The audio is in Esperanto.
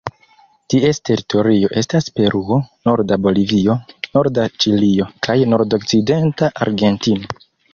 Ties teritorio estas Peruo, norda Bolivio, norda Ĉilio kaj nordokcidenta Argentino.